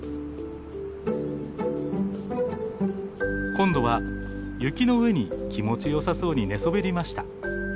今度は雪の上に気持ちよさそうに寝そべりました。